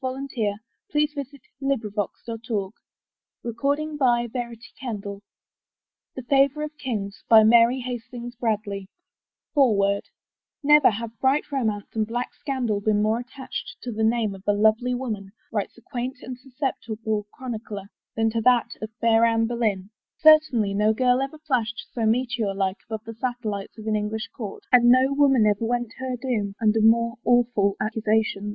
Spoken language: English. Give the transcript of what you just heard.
APPLETON AND COMPANY Published April, 19it Printed in the United States of America TO MY MOTHER I FOREWORD " Never have bright romance and black scandal been more attached to the name of lovely woman," writes a quaint and susceptible chronicler, " than to that of fair Anne Boleyn." Certainly no girl ever flashed so meteor like above the satellites of an English court, and no woman ever went to her doom under more awful accusations.